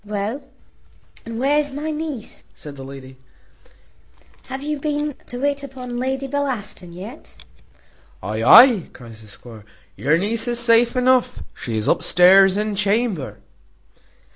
"Well, and where's my niece?" says the lady; "have you been to wait upon Lady Bellaston yet?" "Ay, ay," cries the squire, "your niece is safe enough; she is upstairs in chamber."